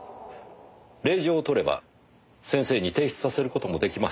令状を取れば先生に提出させることもできます。